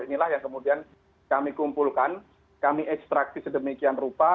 inilah yang kemudian kami kumpulkan kami ekstraksi sedemikian rupa